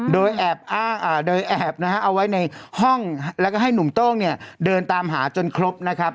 โดยแอบเอาไว้ในห้องแล้วก็ให้หนุ่มต้องเนี่ยเดินตามหาจนครบนะครับ